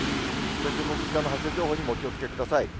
線状降水帯の発生情報にもお気をつけください。